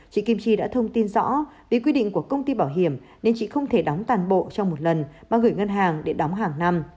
chị kim chi đã thông tin rõ vì quy định của công ty bảo hiểm nên chị không thể đóng toàn bộ trong một lần mà gửi ngân hàng để đóng hàng năm